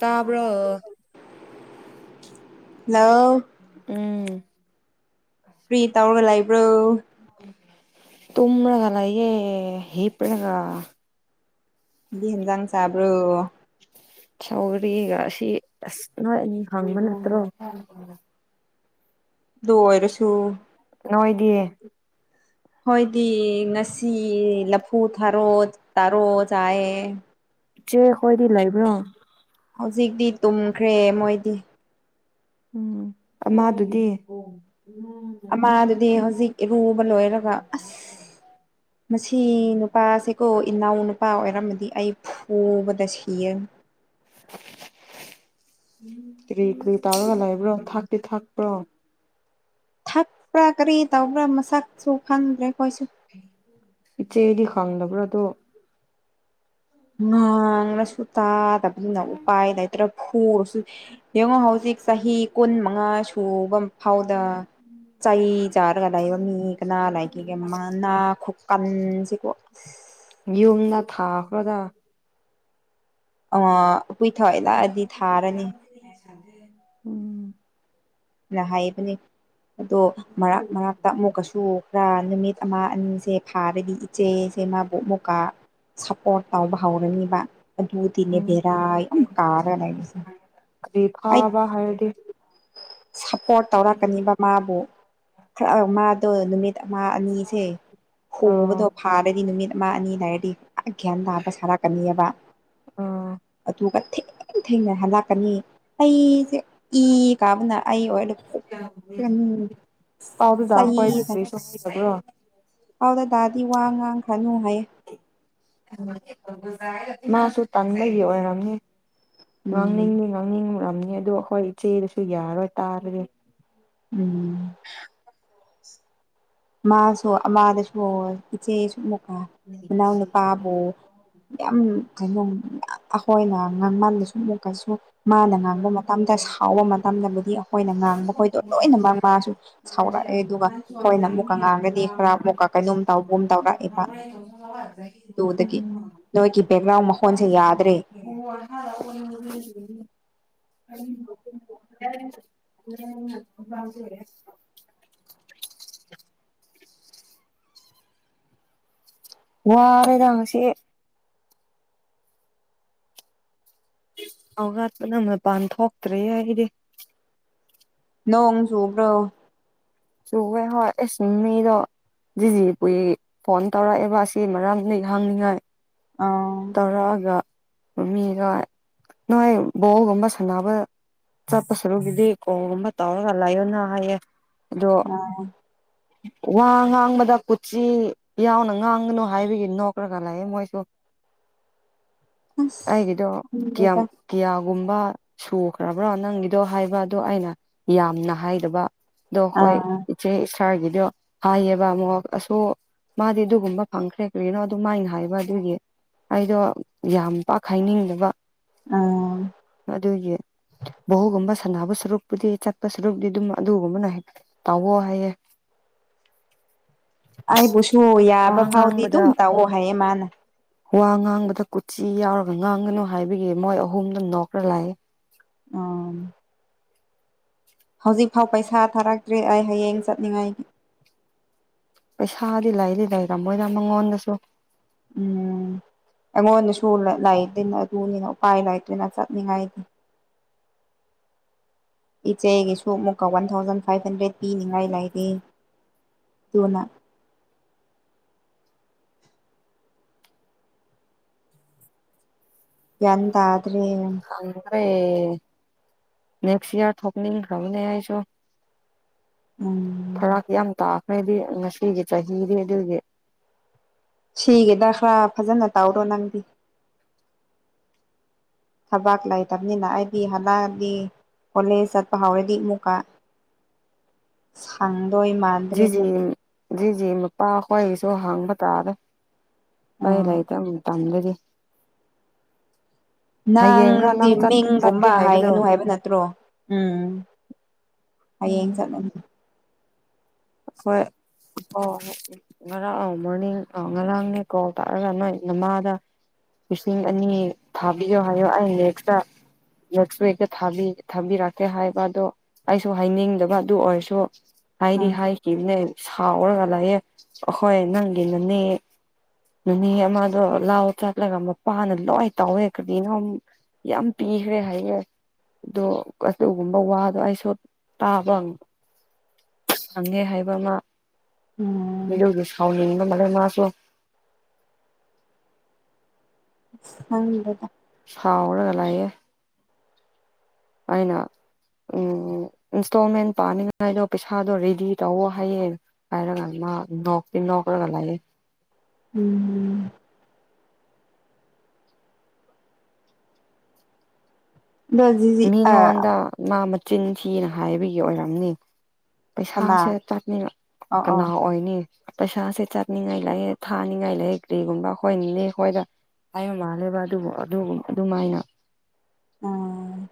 ꯇꯥꯕ꯭ꯔ [unintelligible] ꯎꯝ ꯀꯔꯤ ꯇꯧꯔꯒ ꯂꯩꯕ꯭ꯔꯣ ꯇꯨꯝꯃꯒꯂ ꯌꯦꯦ ꯍꯤꯄꯒ ꯍꯦꯟꯖꯪ ꯁꯥꯕ꯭ꯔꯣ ꯁꯧꯔꯤꯒ ꯑꯁꯤ ꯑꯁ ꯅꯣꯏ ꯑꯅꯤ ꯍꯪꯕ ꯅꯠꯇ꯭ꯔꯣ ꯂ ꯑꯣꯏꯔꯁꯨ ꯅꯣꯏꯒꯤ ꯍꯣꯏꯗꯤ ꯉꯁꯤ ꯂꯐꯨ ꯊꯥꯔꯣ ꯇꯥꯔꯣ ꯆꯥꯏꯑꯦ ꯆꯦ ꯍꯣꯏꯗꯤ ꯂꯩꯕ꯭ꯔꯣ ꯍꯧꯖꯤꯛꯇꯤ ꯇꯨꯝꯈ꯭ꯔꯦ ꯃꯣꯏꯗꯤ ꯎꯝ ꯑꯃꯗꯨꯗꯤ ꯑꯃꯥꯗꯨꯗꯤ ꯍꯧꯖꯤꯛ ꯏꯔꯨꯕ ꯂꯣꯏꯔꯒ ꯑꯁ ꯃꯁꯤ ꯅꯨꯄꯥꯁꯤ ꯀꯣ ꯏꯅꯥꯎ ꯅꯨꯄꯥ ꯑꯣꯏꯔꯝꯃꯗꯤ ꯑꯩ ꯐꯨꯕꯗ ꯁꯤꯌꯦ ꯀꯔꯤ ꯀꯔꯤ ꯇꯥꯕꯒ ꯂꯥꯏꯕ꯭ꯔꯣ ꯊꯥꯛꯇ ꯊꯥꯛꯄ꯭ꯔꯣ ꯊꯛꯄ꯭ꯔꯥ ꯀꯔꯤ ꯇꯧꯕ꯭ꯔꯥ ꯃꯁꯛꯁꯨ ꯈꯪꯗ꯭ꯔꯦ ꯑꯩꯈꯣꯏꯁꯨ ꯏꯆꯦꯗꯤ ꯈꯪꯗꯕ꯭ꯔꯣ ꯑ ꯑꯗꯨꯣ ꯉꯥꯡꯅꯁꯨ ꯇꯥꯗꯕꯅꯤꯅ ꯎꯄꯥꯏ ꯅꯇ꯭ꯔ ꯐꯨꯔꯁꯨ ꯌꯦꯡꯉꯣ ꯍꯧꯖꯤꯛ ꯍꯧ ꯆꯍꯤ ꯀꯨꯟ ꯃꯉꯥꯁꯨ ꯐꯕ ꯐꯥꯎꯗ ꯆꯩ ꯆꯥꯔꯒ ꯂꯩꯕ ꯃꯤ ꯀꯅꯥ ꯂꯒꯦꯒꯅꯥ ꯀꯟꯁꯤ ꯀꯣ ꯌꯨꯝꯗ ꯊꯥꯈ꯭ꯔꯗ ꯑ ꯀꯨꯏꯊꯣꯛꯏ ꯂꯛꯑꯗꯤ ꯊꯥꯔꯅꯤ ꯎꯝ ꯅ ꯍꯥꯏꯕꯅꯤ ꯑꯗꯣ ꯃꯔꯛ ꯃꯔꯛꯇ ꯑꯃꯨꯛꯀꯁꯨ ꯈꯔ ꯅꯨꯃꯤꯠ ꯑꯃ ꯑꯅꯤꯁꯦ ꯐꯥꯔꯗꯤ ꯏꯆꯦꯁꯦ ꯃꯥꯕꯨꯣꯛ ꯃꯨꯀꯥ ꯁꯞꯄꯣꯔꯠ ꯇꯥꯎꯕ ꯍꯧꯔꯅꯤꯕ ꯑꯗꯨꯗꯤꯅꯦ ꯎꯝ ꯕꯦꯔꯥ ꯌꯥꯝ ꯀꯥꯔ ꯂꯩꯏꯕꯁꯦ ꯀ ꯐꯥꯕ ꯍꯥꯏꯗꯤ ꯁꯞꯄꯣꯔꯠ ꯇꯧꯔꯛꯀꯅꯤꯕ ꯃꯥꯕꯨ ꯈꯔ ꯃꯥꯗꯣ ꯅꯨꯃꯤꯠ ꯅꯨꯠ ꯑꯃ ꯑꯅꯤꯁꯦ ꯑ ꯍꯨꯕꯗꯣ ꯐꯥꯔꯗꯤ ꯅꯨꯃꯤꯠ ꯑꯃ ꯑꯅꯤ ꯍꯥꯏꯔꯗꯤ ꯒ꯭ꯌꯥꯟ ꯇꯥꯑꯕ ꯁꯥꯔꯥ ꯀꯅꯤꯕ ꯑ ꯑꯗꯨꯒ ꯊ ꯊꯦꯡꯅ ꯍꯜꯂꯛꯀꯅꯤ ꯑꯩꯁꯦ ꯏ ꯀꯥꯕꯅ ꯑꯩ ꯑꯣꯏ ꯄꯥꯎꯗꯨꯗ ꯑꯩꯈꯣꯏꯗꯤ ꯁ ꯀꯔꯤꯁꯨ ꯍꯩꯇꯕ꯭ꯔꯣ ꯄꯥꯎꯗꯗꯥꯗꯤ ꯋꯥ ꯉꯥꯡꯈꯥꯅꯨ ꯍꯥꯏꯌꯦ ꯃꯥꯁꯨ ꯇꯟꯕꯒꯤ ꯑꯣꯏꯔꯝꯅꯤ ꯎꯝ ꯉꯥꯡꯅꯤꯡꯅꯤ [unintelligible] ꯑꯗꯣ ꯑꯩꯈꯣꯏ ꯏꯆꯦꯗꯨꯁꯨ ꯌꯥꯔꯔꯣꯏ ꯇꯥꯔꯗꯤ ꯎꯝ ꯃꯥꯁꯨ ꯑꯃꯗꯁꯨ ꯏꯆꯦꯁꯨ ꯃꯅꯥꯎꯅꯨꯄꯥꯕꯨ ꯌꯥꯝ ꯀꯩꯅꯣ ꯑꯩꯈꯣꯏꯅ ꯉꯥꯡꯃꯜꯂꯁꯨ ꯑꯃꯨꯛ ꯀꯁꯨ ꯃꯥꯅ ꯉꯥꯡꯕ ꯃꯇꯝꯗ ꯁꯥꯎꯕ ꯃꯇꯝꯗꯕꯨꯗꯤ ꯑꯩꯈꯣꯏꯅ ꯉꯥꯡꯕꯈꯣꯏꯗꯣ ꯂꯣꯏꯅ ꯃꯃꯥꯁꯨ ꯁꯥꯎꯔꯛ ꯑꯗꯨꯒ ꯍꯣꯏꯅꯃꯨꯛ ꯇꯧꯔꯛꯑꯦꯕ [unintelligible] ꯑꯗꯨꯗꯒꯤ ꯅꯣꯏꯒꯤ ꯕꯦꯛꯒ꯭ꯔꯥꯎꯟ ꯃꯈꯣꯟꯁꯦ ꯌꯥꯗ꯭ꯔꯦ [unintelligible] [inaudible] [inaudible] [inaudible] ꯋꯥꯔꯦꯗ ꯉꯁꯤ [unintelligible] ꯃꯄꯥꯟ ꯊꯣꯛꯇ꯭ꯔꯦ ꯑꯩꯗꯤ ꯅꯣꯡ ꯆꯨꯕ꯭ꯔꯣ ꯆꯨꯋꯦ ꯍꯣꯏ ꯏꯁ [unintelligible] ꯖꯤꯖꯤ ꯄꯨꯏ ꯐꯣꯟ ꯇꯧꯔꯛꯑꯦꯕ ꯑꯁꯤ ꯃꯔꯝꯅ ꯍꯪꯅꯤꯉꯥꯏ ꯑꯥ ꯇꯔꯥꯒ ꯃꯃꯤꯒ ꯅꯣꯏ ꯕꯣꯜ ꯒꯨꯝꯕ ꯁꯥꯟꯅꯕ ꯆꯞꯄ ꯁꯔꯨꯒꯤꯗꯤ ꯀꯣꯜ ꯒꯨꯝꯕ ꯇꯔꯒ ꯂꯩꯌꯣꯅ ꯍꯥꯏꯦ ꯑꯥ ꯋꯥ ꯉꯥꯡꯕꯗ ꯀꯨꯆꯤ ꯌꯥꯎꯅ ꯉꯥꯡꯒꯅꯨ ꯍꯥꯏꯕꯒꯤ ꯅꯣꯛꯈ꯭ꯔꯒ ꯂꯩ ꯃꯣꯏꯁꯨ [inaudible] ꯑꯁ ꯑꯩꯒꯤꯗꯣ ꯀꯤꯌꯥꯝ ꯈꯪꯗꯦꯗ ꯀꯌꯥ ꯒꯨꯝꯕ ꯁꯨꯈ꯭ꯔꯕ꯭ꯔꯣ ꯅꯪꯒꯤꯗꯣ ꯍꯥꯏꯕ ꯑꯗꯣ ꯑꯩꯅ ꯌꯥꯝꯅ ꯍꯥꯏꯗꯕ ꯑꯗꯣ ꯍꯣꯏ ꯑꯥ ꯏꯆꯦ ꯁꯥꯔꯒꯤꯗꯣ ꯍꯥꯏꯌꯦꯕ ꯑꯃꯨꯛ ꯑꯁꯨ ꯃꯥꯗꯤ ꯑꯗꯨꯒꯨꯝꯕ ꯐꯪꯈ꯭ꯔꯦ ꯀꯔꯤꯒꯤꯅꯣ ꯑꯗꯨ ꯃꯥꯏꯅ ꯍꯥꯏꯕ ꯑꯗꯨꯒꯤ ꯑꯩꯗꯣ ꯌꯥꯝ ꯄꯥꯛꯈꯥꯏꯅꯤꯡꯗꯕ ꯑꯥ ꯑꯗꯨꯒꯤ ꯕꯣꯜꯒꯝꯕꯥ ꯁꯥꯟꯅꯕ ꯁꯔꯨꯛꯄꯨꯗꯤ ꯆꯠꯄ ꯁꯔꯨꯛꯇꯗꯤ ꯑꯗꯨꯝ ꯑꯗꯨꯒꯨꯝꯕꯅ ꯍꯦꯟ ꯇꯧꯑꯣ ꯍꯥꯏꯌꯦ ꯑꯩꯕꯨꯁꯨ ꯌꯥꯕ ꯋꯥ ꯐꯥꯎꯗꯤ ꯉꯥꯡꯕꯗ ꯑꯗꯨꯝ ꯇꯧꯑꯣ ꯍꯥꯏꯌꯦ ꯃꯥꯅ ꯋꯥ ꯉꯥꯡꯕꯗ ꯀꯨꯆꯤ ꯌꯥꯎꯔꯒ ꯉꯥꯡꯒꯅꯨ ꯍꯥꯏꯕꯒꯤ ꯃꯣꯏ ꯑꯍꯨꯝꯗ ꯅꯣꯛꯈ꯭ꯔ ꯂꯥꯛꯏꯦ ꯑ ꯍꯧꯖꯤꯛꯐꯥꯎ ꯄꯩꯁꯥ ꯊꯥꯔꯛꯇ꯭ꯔꯦ ꯑꯩ ꯍꯌꯦꯡ ꯆꯠꯅꯤꯡꯉꯥꯏꯒꯤ ꯄꯩꯁꯥꯗꯤ ꯂꯩꯗꯤ ꯂꯩꯔꯝꯃꯣꯏꯗ ꯃꯉꯣꯟꯗꯁꯨ ꯎꯝ ꯑꯉꯣꯟꯅ ꯁꯨ ꯂꯩ ꯂꯩꯗꯤ ꯑꯗꯨꯅꯤ ꯑꯣꯄꯥꯏ ꯂꯥꯏꯇꯅ ꯆꯠꯅꯤꯡꯉꯥꯏꯗꯤ ꯏꯆꯦꯒꯤꯁꯨ ꯑꯃꯨꯛꯀ ꯋꯥꯟ ꯊꯥꯎꯖꯟ ꯐꯥꯏꯚ ꯍꯟꯗ꯭ꯔꯦꯠ ꯄꯤꯅꯤꯉꯥꯏ ꯂꯩꯔꯤ ꯇꯨꯅ ꯒꯌ꯭ꯥꯟ ꯇꯥꯗꯔꯦ ꯑꯦ ꯅꯦꯛꯁꯠ ꯏꯌꯔ ꯊꯣꯛꯅꯤꯡ ꯈꯔ꯭ꯕꯅꯦ ꯑꯩꯁꯨ ꯎꯝ ꯐꯔꯥꯛ ꯌꯥꯝ ꯇꯥꯈ꯭ꯔꯦꯗꯤ ꯉꯁꯤꯒꯤ ꯆꯍꯤꯗꯤ ꯑꯗꯨꯒꯤ ꯁꯤꯒꯤꯗ ꯈꯔ ꯐꯖꯅ ꯇꯧꯔꯣ ꯅꯪꯗꯤ ꯊꯕꯥꯛ ꯂꯩꯇꯕꯅꯤꯅ ꯑꯩꯗꯤ ꯍꯂꯛꯑꯗꯤ ꯀꯣꯂꯦꯖ ꯆꯠꯄ ꯍꯧꯥꯎꯔꯗꯤ ꯑꯃꯨꯛꯀ ꯁꯟ ꯑꯩ ꯃꯥꯟꯗꯔꯦ ꯖꯤꯖꯤ ꯃꯨꯛ ꯖꯤꯖꯤ ꯃꯄꯥꯈ꯭ꯣꯏꯒꯤꯁꯨ ꯍꯥꯡꯕ ꯇꯥꯔꯦ ꯑꯩꯈꯣꯏ ꯎꯝ ꯂꯩꯇ ꯃꯇꯝꯗꯗꯤ ꯍꯌꯦꯡꯔ ꯅꯪꯗꯤ ꯅꯪ ꯆꯠꯀꯦ ꯃꯤꯡꯒꯨꯝꯕ ꯍꯥꯏꯕꯗꯣ ꯍꯥꯏꯒꯅꯨ ꯍꯥꯏꯕ ꯅꯠꯇ꯭ꯔꯣ ꯎꯝ ꯍꯌꯦꯡ ꯆꯠꯂꯝ ꯑꯩꯈꯣꯏ ꯑꯣ ꯉꯔꯥꯡ ꯑ ꯃꯣꯔꯅꯤꯡ ꯑ ꯉꯔꯥꯡꯅꯦ ꯀꯣ ꯇꯥꯔꯒ ꯅꯣꯏ ꯅꯃꯥꯗ ꯂꯤꯁꯤꯡ ꯑꯅꯤ ꯊꯥꯕꯤꯌꯣ ꯍꯥꯏꯌꯣ ꯑꯩ ꯂꯦꯛꯁꯇ ꯅꯁꯣꯏꯒꯕꯤ ꯊꯥꯕꯤꯔꯛꯀꯦ ꯍꯥꯏꯕ ꯑꯗꯣ ꯑꯩꯁꯨ ꯍꯥꯏꯅꯤꯡꯗꯕ ꯑꯗꯨ ꯑꯣꯏꯔꯁꯨ ꯍꯥꯏꯗꯤ ꯎꯝ ꯍꯥꯏ ꯅꯦ ꯁꯥꯎꯔꯒ ꯂꯥꯛꯑꯦ ꯑꯩꯈꯣꯏ ꯅꯪꯒꯤꯅꯅꯦ ꯅꯨꯅꯤ ꯑꯃꯗꯣ ꯂꯥꯎ ꯆꯠꯂꯒ ꯃꯄꯥꯅ ꯂꯣꯏ ꯇꯥꯎꯋꯦ ꯀꯗꯤꯅꯣ ꯌꯥꯝ ꯄꯤꯈ꯭ꯔꯦ ꯍꯥꯏꯌꯦ ꯑꯗꯣ ꯑꯗꯨꯒꯨꯝꯕ ꯋꯥꯗꯣ ꯑꯩꯁꯨ ꯇꯥꯕꯪ ꯐꯪꯉꯦ ꯍꯥꯏꯕ ꯑꯃ ꯎꯝ ꯃꯤꯒꯤ ꯁꯥꯎꯅꯤꯡꯉ ꯃ ꯃꯥꯁꯨꯣ ꯍꯪꯗ ꯍꯥꯎ ꯑꯣꯅꯒ ꯂꯌꯦ ꯑꯅ ꯎꯝ ꯏꯟꯁꯇꯣꯜꯃꯦꯟ ꯄꯥꯅꯤꯉꯥꯏꯗꯣ ꯄꯩꯁꯥꯗꯣ ꯔꯦꯗꯤ ꯇꯧꯋ ꯍꯥꯏꯌꯦꯦ ꯍꯥꯏꯔꯒ ꯅ ꯅꯧꯀꯔꯒ ꯂꯦ ꯎꯝ ꯎ ꯑꯗꯣ ꯖꯤꯖꯤ ꯑ ꯃꯤꯉꯣꯟꯗ ꯃꯥ ꯃꯆꯤꯟ ꯊꯤꯅ ꯍꯥꯏꯕꯒꯤ ꯑꯣꯏꯔꯝꯅꯤ ꯀꯅꯥ ꯄꯩꯁꯥꯁꯦ ꯆꯠꯅꯤꯡꯅ ꯑꯣ ꯀꯅꯥ ꯑꯣ ꯑꯣꯏꯅꯤ ꯄꯩꯁꯥꯁꯦ ꯆꯠꯅꯤꯡꯉꯥꯏ ꯂꯥꯏꯑꯦ ꯊꯥꯅꯤꯡꯉꯥꯏ ꯂꯩꯥꯏꯑꯦ ꯀꯔꯤꯒꯨꯝꯕ ꯑꯩꯈꯣꯏꯅꯦ ꯑꯩꯈꯣꯏꯗ ꯍꯥꯏꯕ ꯃꯥꯜꯂꯦꯕ ꯑꯗꯨꯕꯨ ꯑꯗꯨꯃꯥꯏꯅ ꯎꯝ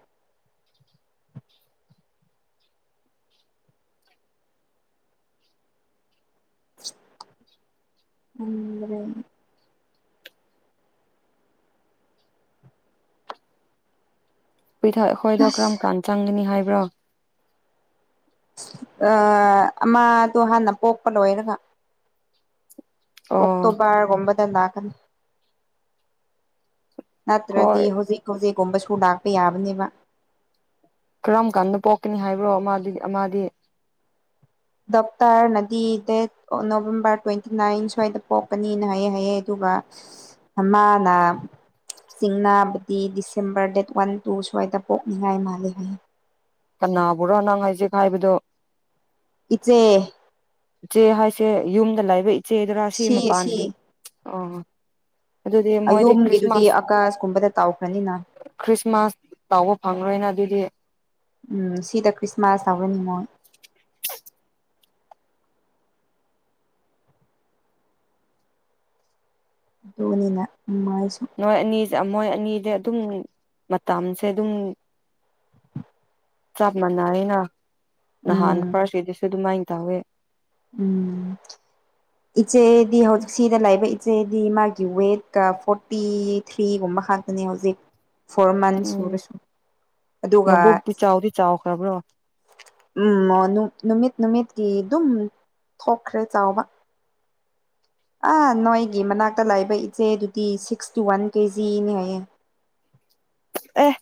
ꯑꯦ ꯄꯊ ꯑꯩꯈꯣꯏꯗ ꯀꯔꯝ ꯀꯥꯟ ꯆꯪꯒꯅꯤ ꯍꯥꯏꯕ꯭ꯔꯣ ꯑꯃꯗꯣ ꯍꯥꯟꯅ ꯄꯣꯛꯄ ꯂꯣꯏꯔꯒ ꯑꯣ ꯑꯣꯛꯇꯣꯕꯔ ꯑꯣꯕꯗ ꯂꯒꯅꯤ ꯅꯠꯇ꯭ꯔꯗꯤ ꯍꯣꯏ ꯍꯧꯖꯤꯛ ꯍꯧꯖꯤꯛꯒꯨꯝꯕ ꯁꯣ ꯂꯥꯛꯄ ꯌꯥꯕꯅꯦꯕ ꯀꯔꯝ ꯀꯥꯟꯗ ꯄꯣꯛꯀꯅꯤ ꯍꯥꯏꯕ꯭ꯔꯣ ꯃꯥꯗꯤ ꯗꯣꯛꯇꯔꯅꯗꯤ ꯗꯦꯠ ꯅꯣꯕꯦꯝꯕꯔ ꯇ꯭ꯋꯦꯟꯇꯤ ꯅꯥꯏꯟ ꯁ꯭ꯋꯥꯏꯗ ꯄꯣꯛꯀꯅꯤꯅ ꯍꯥꯏꯌꯦ ꯍꯥꯏꯑꯌꯦ ꯑꯗꯨ ꯃꯅ ꯆꯤꯡꯅꯥꯕꯗꯤ ꯗꯤꯁꯦꯝꯕꯔ ꯗꯦꯠ ꯋꯥꯟ ꯇꯨ ꯁ꯭ꯋꯥꯏꯗ ꯄꯣꯛꯅꯤꯡꯉꯥꯏ ꯃꯥꯜꯜꯂꯤꯦ ꯍꯥꯏꯌꯦ ꯀꯅꯥꯕꯨꯔꯣ ꯅꯪ ꯍꯥꯏꯖꯤ ꯍꯥꯏꯕꯗꯣ ꯏꯆꯦ ꯏꯆꯦ ꯍꯥꯏꯁꯦ ꯌꯨꯝꯗ ꯂꯥꯏꯕ ꯏꯆꯦꯗꯨꯔ ꯁꯤ ꯃꯄꯥꯟꯒꯤ ꯑꯣ ꯑꯗꯨꯗꯤ ꯃꯣꯏꯗꯤ ꯑꯌꯣꯝꯒꯤꯗꯨꯗꯤ ꯈ꯭ꯔꯤꯁꯃꯥꯁ ꯑꯀꯥꯁ ꯀꯨꯝꯕꯗ ꯇꯥꯎꯈ꯭ꯔꯅꯤꯅ ꯈ꯭ꯔꯤꯁꯃꯥꯁ ꯇꯕ ꯐꯪꯔꯣꯏꯅ ꯑꯗꯨꯗꯤ ꯎꯝ ꯁꯤꯗ ꯈ꯭ꯔꯤꯁꯃꯥꯁ ꯌꯥꯋꯅꯤꯉꯣ ꯙꯣꯅꯤꯅ ꯃꯥꯥꯏꯁꯨꯨ ꯅꯣꯏ ꯑꯅꯤꯁꯦ ꯃꯣꯏ ꯑꯅꯤꯗꯤ ꯑꯗꯨꯝ ꯃꯇꯝꯁꯦ ꯑꯗꯨꯝ ꯆꯞ ꯃꯥꯟꯅꯔꯤꯅ ꯅꯍꯥꯟ ꯎꯝ ꯐꯥꯔꯁꯀꯤꯗꯁꯨ ꯑꯗꯨꯃꯥꯏꯅ ꯇꯧꯋꯦ ꯎꯝ ꯏꯆꯦꯗꯤ ꯍꯧꯖꯤꯛ ꯁꯤꯗ ꯂꯩꯕ ꯏꯆꯦꯗꯤ ꯃꯥꯒꯤ ꯋꯦꯠꯀ ꯐꯣꯔꯇꯤ ꯊ꯭ꯔꯤꯒꯨꯝꯕ ꯃꯈꯗꯅꯤ ꯍꯧꯖꯤꯛ ꯐꯣꯔ ꯃꯟꯁ ꯎꯝ ꯁꯨꯔꯁꯨ ꯑꯗꯨꯒ ꯃꯕꯨꯛꯇꯤ ꯆꯥꯎꯗꯤ ꯆꯥꯎꯈ꯭ꯔꯕ꯭ꯔꯣ ꯎꯝ ꯅꯨꯃꯤꯠ ꯅꯨꯃꯤꯠ ꯤ ꯑꯗꯨꯝ ꯊꯣꯛꯈ꯭ꯔꯦ ꯆꯥꯎꯕ ꯑꯥ ꯅꯣꯏꯒꯤ ꯃꯅꯥꯛꯇ ꯂꯥꯛꯏꯕ ꯏꯆꯦꯗꯨꯗꯤ ꯁꯤꯛꯁ ꯇꯨ ꯋꯥꯟ ꯀꯦꯖꯤꯅꯦ ꯍꯥꯏꯌꯦ [unintelligible] ꯑꯦ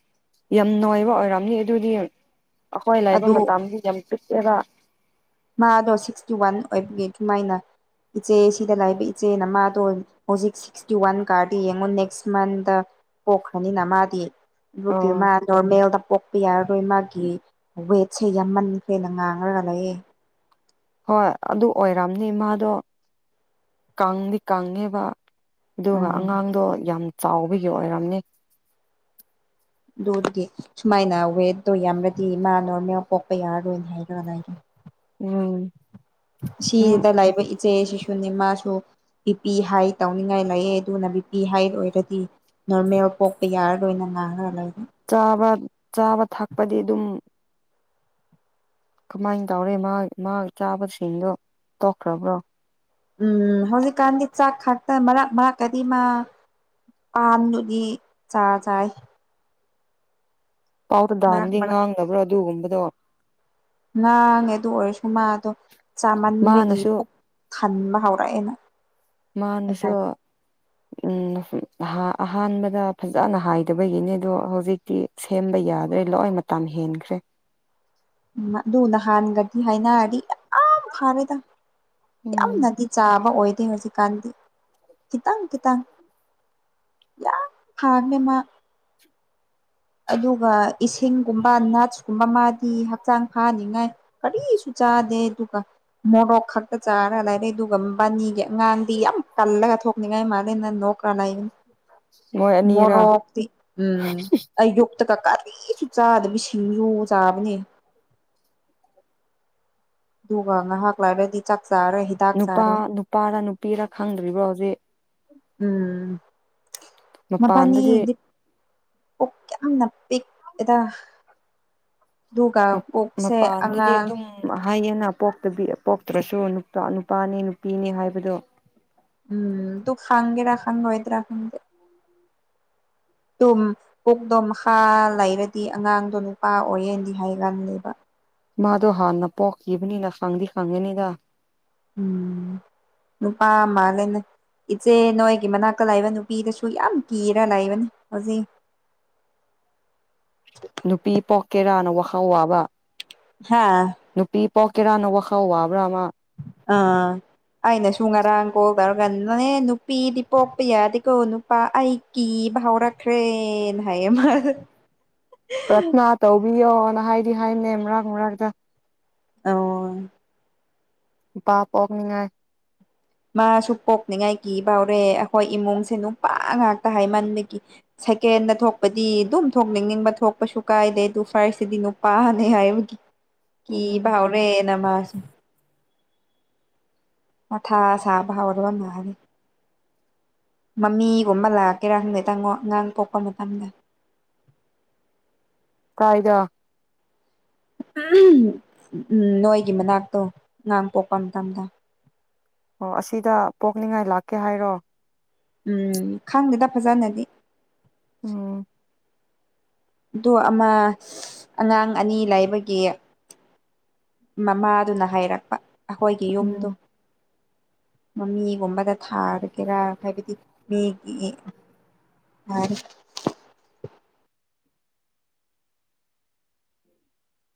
ꯌꯥꯝ ꯅꯨꯡꯉꯥꯏꯕ ꯑꯣꯏꯔꯝꯅꯤ ꯑꯗꯨꯗꯤ ꯑꯩꯈꯣꯏ ꯂꯥꯏꯕ ꯑꯗꯨ ꯃꯇꯝꯗꯤ ꯌꯥꯝꯤ ꯑꯦꯔꯥꯛ ꯃꯥꯗꯣ ꯁꯤꯛꯁꯇꯤ ꯋꯥꯟ ꯑꯣꯏꯕꯒꯤꯦ ꯀꯃꯥꯏꯅ ꯏꯆꯦ ꯁꯤꯗ ꯂꯥꯛꯕ ꯏꯆꯦꯅꯃꯗꯣ ꯍꯧꯖꯤꯛ ꯁꯤꯛꯁꯇꯤ ꯋꯥꯟ ꯀꯥꯔꯗ ꯌꯦꯡꯉꯣ ꯅꯦꯛꯁ ꯃꯟꯇ ꯄꯣꯛꯈ꯭ꯔꯅꯤꯅ ꯃꯥꯗꯤ ꯑꯗꯨꯒꯤ ꯑꯥ ꯃꯥ ꯅꯣꯔꯃꯦꯜꯗ ꯌꯥꯔꯔꯣꯏ ꯃꯥꯒꯤ ꯋꯦꯠꯁꯦ ꯌꯥꯝꯃꯟꯈ꯭ꯔꯦꯅ ꯉꯥꯡꯉꯒ ꯂꯩꯑ ꯍꯣꯏ ꯑꯗꯨ ꯑꯣꯏꯔꯝꯅꯤ ꯏꯃꯥꯗꯣ ꯀꯥꯡꯪꯗꯤ ꯀꯪꯉꯦꯕ ꯑꯗꯨꯒ ꯎꯝ ꯑꯉꯥꯡꯗꯣ ꯌꯥꯝ ꯆꯥꯎꯕꯒꯤ ꯑꯣꯏꯔꯝꯅꯦ ꯑꯗꯨ ꯑꯗꯨꯗꯤ ꯁꯨꯃꯥꯏꯅ ꯋꯦꯠꯇꯣ ꯌꯥꯝꯔꯗꯤ ꯃꯥ ꯅꯣꯔꯃꯦꯜ ꯄꯣꯛꯄ ꯌꯥꯔꯔꯣꯏꯅ ꯍꯥꯏꯈ꯭ꯔꯒꯅ ꯍꯥꯏꯦ ꯎꯝ ꯎꯝ ꯁꯤꯗ ꯂꯥꯛꯕ ꯆꯦ ꯁꯤꯁꯨꯅꯦꯃꯁꯨ ꯕꯤꯄꯤ ꯍꯥꯏ ꯇꯧꯅꯤꯡꯉꯥꯏ ꯂꯩꯑꯦ ꯑꯗꯨꯅ ꯕꯤꯄꯤ ꯍꯥꯏ ꯑꯣꯏꯔꯗꯤ ꯅꯣꯔꯃꯦꯜ ꯄꯣꯛꯄ ꯌꯥꯔꯒꯣꯏ ꯑꯣꯏꯅ ꯉꯥꯡꯉꯒ ꯂꯩꯔꯦ ꯆꯥꯕ ꯆꯥꯕ ꯊꯛꯄꯗꯤ ꯑꯗꯨꯝ ꯀꯃꯥꯏꯅ ꯇꯧꯔꯤꯦ ꯃꯥ ꯃꯥ ꯆꯥꯕꯁꯤꯡꯗꯣ ꯇꯣꯛꯈ꯭ꯔꯕ꯭ꯔꯣ ꯎꯝ ꯍꯧꯖꯤꯛꯀꯥꯟꯗꯤ ꯆꯥꯛ ꯈꯥꯛꯛꯇ ꯃꯔꯛ ꯃꯔꯛꯀꯗꯤ ꯃꯥ ꯄꯥꯟꯗꯨꯗꯤ ꯆꯥ ꯆꯥꯏ ꯄꯥꯎꯗ ꯃꯔꯛ ꯗꯥꯟꯗꯤ ꯃꯔꯛ ꯉꯥꯡꯗꯕ꯭ꯔꯣ ꯑꯗꯨꯒꯨꯝꯕꯗꯣ ꯉꯥꯡꯉꯦ ꯑꯗꯨ ꯑꯣꯏꯔꯁꯨ ꯃꯥꯗꯣ ꯆꯥꯃꯟꯕꯒꯤ ꯃꯥꯅꯁꯨ ꯈꯟꯕ ꯍꯧꯔꯛꯑꯦꯅ ꯑꯩ ꯃꯥꯅꯁꯨ ꯍꯥꯏ ꯎꯝ ꯑꯍꯥꯟꯕꯗ ꯐꯖꯅ ꯍꯥꯏꯗꯕꯒꯤꯅꯤ ꯑꯗꯣ ꯍꯧꯖꯤꯛꯇꯤ ꯁꯦꯝꯕ ꯌꯥꯗ꯭ꯔꯦ ꯂꯣꯏ ꯃꯊ ꯥꯟ ꯍꯦꯟꯈ꯭ꯔꯦ ꯎ ꯑꯗꯨꯅ ꯍꯥꯟꯒꯗꯤ ꯍꯥꯏꯅꯔꯗꯤ ꯌꯥꯝ ꯊꯥꯔꯦꯗ ꯎꯝ ꯌꯥꯝꯅꯗꯤ ꯆꯥꯕ ꯑꯣꯏ ꯑꯗꯨ ꯍꯧꯖꯤꯛꯀꯥꯟꯗꯤ ꯈꯤꯇꯪ ꯈꯤꯇꯪ ꯌꯥ ꯐꯥꯔ ꯃꯥ ꯑꯗꯨꯒ ꯏꯁꯤꯡꯒꯨꯝꯕ ꯅꯥꯠꯁꯀꯨꯝꯕ ꯃꯥꯗꯤ ꯍꯛꯆꯥꯡ ꯐꯅꯤꯡꯉꯥꯏ ꯀꯔꯤꯁꯨ ꯆꯥꯗꯦ ꯇꯨ ꯃꯣꯣ ꯈꯇ ꯆꯥ ꯈꯔ ꯂꯥꯏꯔꯛꯦ ꯑꯗꯨꯒꯕꯥꯅꯤꯒꯤ ꯑꯉꯥꯡꯗꯤ ꯌꯥꯝ ꯀꯜꯂꯒ ꯊꯣꯛꯅꯤꯡꯉꯥꯏ ꯃꯥꯜꯂꯦ ꯅꯪ ꯅꯣꯛ ꯈꯔ ꯂ ꯃꯣꯏ ꯑꯅꯤꯔ ꯃꯣꯔꯣꯛꯛꯇꯤ ꯎꯝ ꯌꯛꯇ ꯀꯥꯀꯥ ꯂꯤꯁꯨ ꯆꯥꯗꯕꯤ ꯁꯤꯡꯖꯨ ꯆꯥꯕꯅꯦ ꯑꯗꯨꯒ ꯉꯥꯏꯍꯥꯛ ꯂꯥꯏꯔꯗꯤ ꯆ ꯅꯨꯄꯥ ꯅꯨꯄꯥꯔ ꯅꯨꯄꯤꯔ ꯈꯪꯗ꯭ꯔꯤꯕ꯭ꯔꯣ ꯍꯧꯖꯤꯛ ꯎꯝ ꯃꯄꯥꯟꯗꯗꯤ ꯑꯣ ꯀꯅ ꯄꯤ ꯑꯦ ꯃꯄꯗꯤ ꯑꯗꯨ ꯑꯉꯥꯡ ꯑꯗꯨꯝ ꯍꯥꯏꯌꯦꯅ ꯄꯇꯕꯤ ꯄꯣꯛꯇ꯭ꯔꯁꯨꯄꯥ ꯅꯨꯄꯥꯅꯦ ꯅꯨꯄꯤꯅꯦ ꯍꯥꯏꯕꯗꯣ ꯎꯝ ꯇꯨꯡ ꯈꯒꯦ ꯔ ꯈꯥꯒ ꯍꯗꯔ ꯈꯪꯗꯦ ꯇꯨꯝ ꯄꯣꯛꯗꯣꯝ ꯍꯥ ꯂꯩꯔꯗꯤ ꯑꯉꯥꯡꯗꯣ ꯅꯨꯄꯥ ꯑꯣꯏꯌꯦꯅꯗꯤ ꯍꯥꯏ ꯀꯥꯟ ꯂꯩꯕ ꯃꯥꯗꯣ ꯍꯥꯥꯟꯅ ꯄꯣꯀꯤꯕꯅꯤꯅ ꯈꯪꯗꯤ ꯈꯪꯉꯦꯅꯤꯗ ꯎꯝ ꯅ ꯄꯥ ꯃꯥ ꯂꯩꯅ ꯏꯆꯦ ꯅꯣꯏꯒꯤ ꯃꯅꯥꯛꯇ ꯂꯥꯛꯏꯕ ꯅꯨꯄꯤꯗꯁꯨ ꯌꯥꯝ ꯀꯤꯔ ꯂꯥꯛꯏꯕꯅꯤ ꯍꯧꯖꯤꯛ [unintelligible] ꯅꯨꯄꯤ ꯄꯣꯛꯀꯦꯔꯥꯅ ꯋꯥꯈꯥꯎ ꯋꯥꯕ ꯍꯥꯥ ꯄꯣꯛ ꯀꯦꯔꯥꯅ ꯋꯥꯈꯥꯎ ꯋꯥꯕ꯭ꯔꯥ ꯑꯃ ꯑꯥ ꯑꯩꯅꯁꯨ ꯉꯔꯥꯡ ꯀꯣꯜ ꯇꯧꯔꯒꯥꯟꯅꯦ ꯅꯨꯄꯤꯗꯤ ꯄꯣꯛꯄ ꯌꯥꯗꯤꯀꯣ ꯅꯨꯄꯥ ꯑꯩ ꯀ ꯕ ꯍꯧꯔꯈ꯭ꯔꯦꯅ ꯍꯥꯏꯌꯦ ꯑꯃ ꯄ꯭ꯔꯊꯅꯥ ꯇꯧꯕꯤꯌꯣꯅ ꯍꯥꯏꯗꯤ ꯍꯥꯏꯅꯦ ꯃꯔꯛ ꯃꯔꯨꯔꯥꯛꯛꯇ ꯑ ꯄ ꯄꯅꯤꯡꯉ ꯃꯥꯁꯨ ꯄꯣꯛꯅꯤꯉꯥꯏ ꯀꯤ ꯐꯧꯔꯦ ꯑꯩꯈꯣꯏ ꯏꯃꯨꯡꯁꯦ ꯅꯨꯄꯥ ꯉꯥꯛꯇ ꯍꯥꯏꯃꯟꯕꯒꯤ ꯁꯦꯀꯦꯟꯗ ꯊꯣꯛꯄꯗꯤ ꯑꯗꯨꯝ ꯊꯣꯛꯅꯤꯡꯅꯤꯡꯕ ꯊꯣꯛꯄꯁꯨ ꯀꯥꯏꯗꯦ ꯑꯗꯨ ꯐꯥꯔꯁꯁꯤꯗꯤ ꯅꯨꯄꯥꯅꯤ ꯍꯥꯏꯕꯒꯤ ꯎꯝ ꯀ ꯥꯎꯅꯦ ꯅꯃꯖ ꯃꯊꯥ ꯁꯥꯕ ꯍꯧꯔꯒ ꯃꯃꯤꯒꯨꯝꯕ ꯂꯥꯛꯀꯦꯔꯥ ꯍꯪꯗꯦ ꯇꯪꯉꯣ ꯑꯉꯥꯡ ꯄꯣꯛꯄ ꯃꯇꯝꯗ [inaudible] ꯀꯥꯏꯗ ꯎꯝ ꯅꯣꯏꯒꯤ ꯃꯅꯥꯛꯇꯣ ꯉꯥꯡ ꯄꯣꯛꯄ ꯃꯇꯝꯗ ꯑꯣ ꯑꯁꯤꯗ ꯄꯣꯛꯅꯤꯡꯉꯥꯏ ꯂꯥꯛꯀꯦ ꯍꯥꯏꯔꯣ ꯎꯝ ꯈꯪꯗꯦꯗ ꯐꯖꯅꯗꯤ ꯑꯣꯝ ꯑꯗꯨ ꯑꯃ ꯑꯉꯥꯡ ꯑꯅꯤ ꯂꯥꯏꯕꯒꯤ ꯃꯃꯥꯗꯨꯅ ꯍꯥꯏꯔꯛꯄ ꯑꯩꯈꯣꯏꯒꯤ ꯌꯨꯝꯗꯣ ꯎꯝ ꯃꯃꯤꯒꯨꯝꯕꯗ ꯊꯔꯛ ꯀꯦꯔ ꯀꯥꯏꯕꯗꯤ ꯃꯤ ꯑ